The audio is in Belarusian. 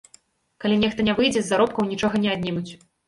Калі нехта не выйдзе, з заробкаў нічога не аднімуць.